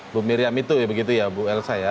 bu miriam itu ya begitu ya bu elsa ya